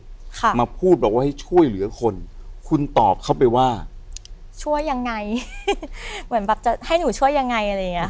ค่ะมาพูดบอกว่าให้ช่วยเหลือคนคุณตอบเข้าไปว่าช่วยยังไงเหมือนแบบจะให้หนูช่วยยังไงอะไรอย่างเงี้